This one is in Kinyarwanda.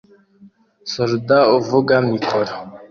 Solider uvuga mikoro